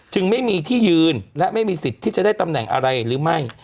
ไม่มีที่ยืนและไม่มีสิทธิ์ที่จะได้ตำแหน่งอะไรหรือไม่